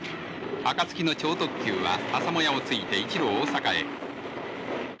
暁の超特急は朝もやを突いて一路、大阪へ。